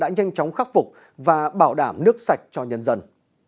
đã nhanh chóng khắc phục và bảo đảm nước sạch cho nhân dân